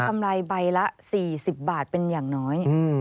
ำไรใบละ๔๐บาทเป็นอย่างน้อย